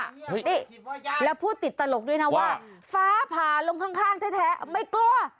นี่แล้วพูดติดตลกด้วยนะว่าฟ้าผ่าลงข้างแท้ไม่กลัว